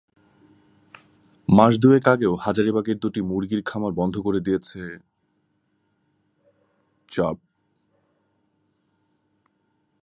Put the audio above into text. মাস দুয়েক আগেও হাজারীবাগের দুটি মুরগির খামার বন্ধ করে দিয়েছে র্যাব।